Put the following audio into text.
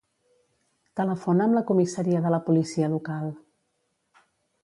Telefona'm la comissaria de la policia local.